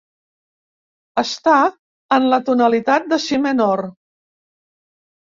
Està en la tonalitat de si menor.